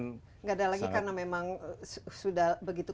tidak ada lagi karena memang sudah begitu